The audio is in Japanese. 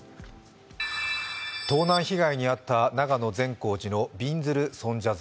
盗難被害に遭った長野県・善光寺のびんずる尊者像。